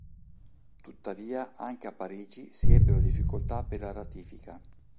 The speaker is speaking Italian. Tuttavia anche a Parigi si ebbero difficoltà per la ratifica.